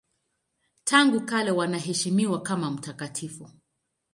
Tangu kale wanaheshimiwa kama mtakatifu.